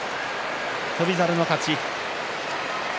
翔猿の勝ち。